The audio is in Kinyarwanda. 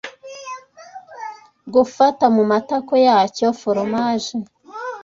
Gufata mumatako yacyo foromaje